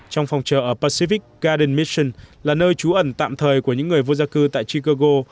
trong phòng trợ pacific garden mission là nơi trú ẩn tạm thời của những người vô gia cư tại chicago